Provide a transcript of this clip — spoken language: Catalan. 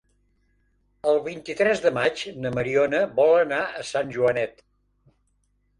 El vint-i-tres de maig na Mariona vol anar a Sant Joanet.